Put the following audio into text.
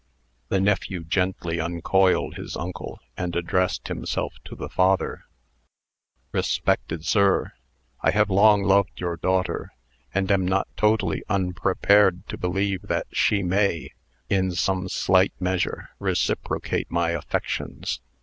The nephew gently uncoiled his uncle, and addressed himself to the father: "Respected sir, I have long loved your daughter, and am not totally unprepared to believe that she may, in some slight measure, reciprocate my affections.